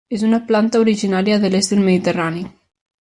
És una planta originària de l'est del Mediterrani.